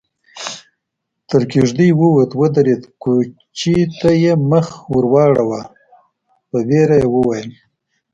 تر کېږدۍ ووت، ودرېد، کوچي ته يې مخ ور واړاوه، په وېره يې وويل: